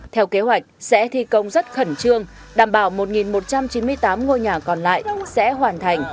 theo kế hoạch sẽ thi công rất khẩn trương đảm bảo một một trăm chín mươi tám ngôi nhà còn lại sẽ hoàn thành